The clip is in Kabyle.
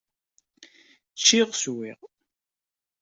Ččiɣ, swiɣ.